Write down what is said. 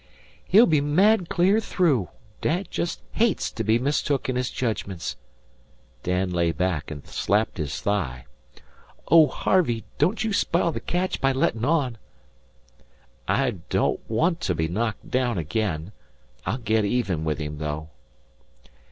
"He'll be mad clear through. Dad jest hates to be mistook in his jedgments." Dan lay back and slapped his thigh. "Oh, Harvey, don't you spile the catch by lettin' on." "I don't want to be knocked down again. I'll get even with him, though."